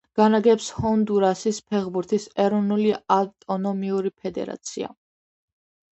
განაგებს ჰონდურასის ფეხბურთის ეროვნული ავტონომიური ფედერაცია.